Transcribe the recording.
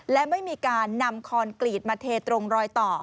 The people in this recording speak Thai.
และไม่มีการนำคอนกรีตมาเทตรงรอยต่อ